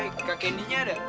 eh kak candynya ada